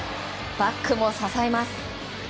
バックも支えます。